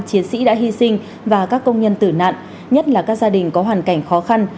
chiến sĩ đã hy sinh và các công nhân tử nạn nhất là các gia đình có hoàn cảnh khó khăn